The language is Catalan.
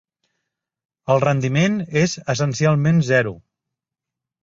El rendiment és essencialment zero.